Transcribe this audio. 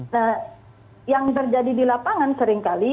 nah yang terjadi di lapangan seringkali